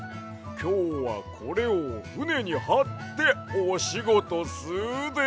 きょうはこれをふねにはっておしごとすで！